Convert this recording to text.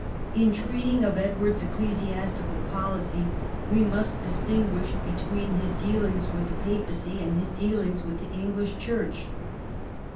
In treating of Edward's ecclesiastical policy we must distinguish between his dealings with the papacy and his dealings with the English Church.